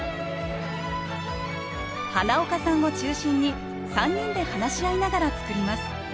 花岡さんを中心に３人で話し合いながら作ります